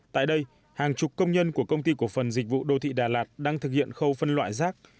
tại đây hàng chục công nhân của công ty cổ phần dịch vụ đô thị đà lạt đang thực hiện khâu phân loại rác